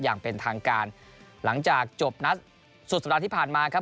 อย่างเป็นทางการหลังจากจบนัดสุดสัปดาห์ที่ผ่านมาครับ